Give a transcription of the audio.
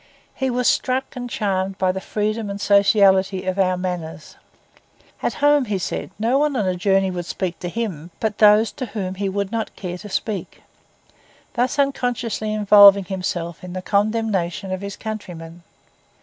He was struck and charmed by the freedom and sociality of our manners. At home, he said, no one on a journey would speak to him, but those with whom he would not care to speak; thus unconsciously involving himself in the condemnation of his countrymen.